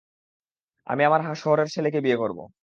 আমি আমার শহরের ছেলেকে বিয়ে করব।